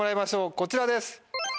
こちらです。